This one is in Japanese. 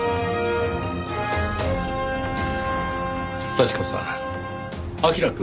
幸子さん彬くんは。